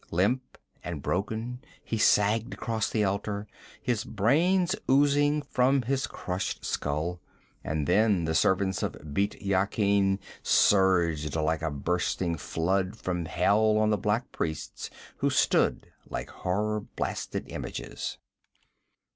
Limp and broken he sagged across the altar, his brains oozing from his crushed skull. And then the servants of Bît Yakin surged like a bursting flood from hell on the black priests who stood like horror blasted images.